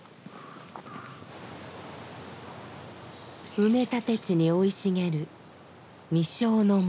埋め立て地に生い茂る「実生の森」。